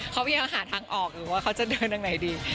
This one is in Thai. เขาพยายามหาทางออกอยู่ว่าเขาจะเดินทางไหนดี